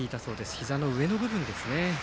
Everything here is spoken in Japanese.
ひざの上の部分ですね。